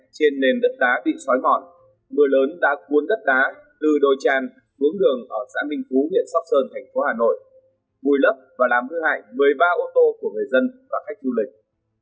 trên nền đất đá bị xói mọn mưa lớn đã cuốn đất đá từ đồi tràn xuống đường ở xã minh phú huyện sóc sơn thành phố hà nội vùi lấp và làm hư hại một mươi ba ô tô của người dân và khách du lịch